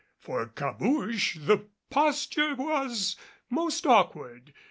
For Cabouche, the posture was more awkward.